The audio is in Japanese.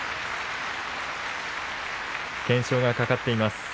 懸賞がかかっています。